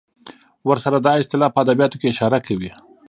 ورسره دا اصطلاح په ادبیاتو کې اشاره کوي.